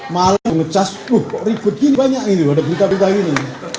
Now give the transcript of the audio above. malah ngecas ribet gini banyak nih ada berita berita gini